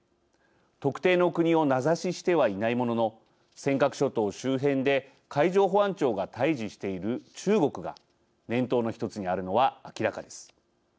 特定の国を名指ししてはいないものの尖閣諸島周辺で海上保安庁が対じしている中国が念頭の一つにあるのは明らかです。